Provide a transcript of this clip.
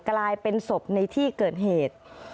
กลายเป็นศพในที่เกิดเหตุ